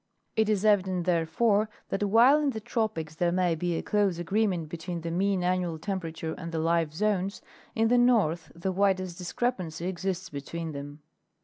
* It is evident, therefore, that while in the tropics there may bea close agreement between the mean annual temperature and the life zones, in the north the widest discrepancy exists between them.